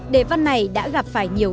đề văn này đã gặp phải nhiều